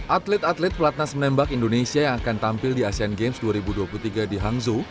atlet atlet pelatnas menembak indonesia yang akan tampil di asean games dua ribu dua puluh tiga di hangzhou